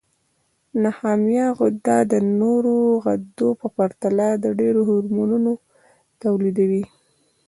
نخامیه غده د نورو غدو په پرتله ډېر هورمونونه تولیدوي.